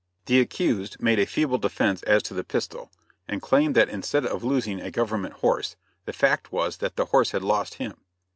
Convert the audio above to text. The accused made a feeble defense as to the pistol, and claimed that instead of losing a government horse, the fact was that the horse had lost him.